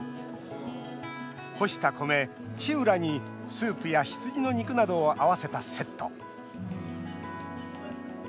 干した米、チウラにスープや羊の肉などを合わせたセット。